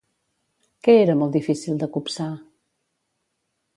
Què era molt difícil de copsar?